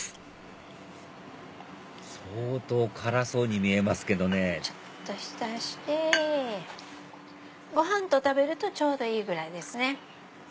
相当辛そうに見えますけどねちょっと浸してご飯と食べるとちょうどいいぐらいですね。